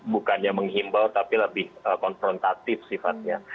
bukannya menghimbau tapi lebih konfrontatif sifatnya